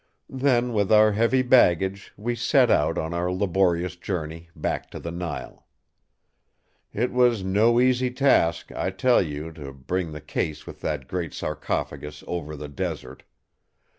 Then with our heavy baggage, we set out on our laborious journey back to the Nile. It was no easy task, I tell you, to bring the case with that great sarcophagus over the desert.